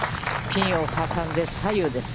ピンを挟んで左右です。